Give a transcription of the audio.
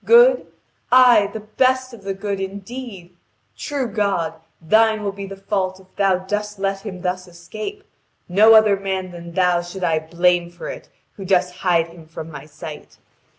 Good? Aye, the best of the good, indeed! True God, Thine will be the fault if Thou dost let him thus escape. No other man than Thou should I blame for it who dost hide him from my sight.